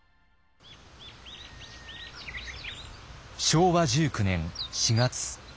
昭和１９年４月。